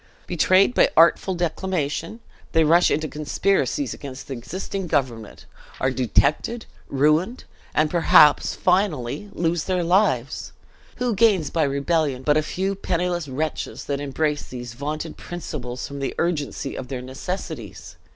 Betrayed by artful declamation, they rush into conspiracies against the existing government, are detected, ruined, and perhaps finally lose their lives! Who gains by rebellion, but a few penniless wretches, that embrace these vaunted principles from the urgency of their necessities?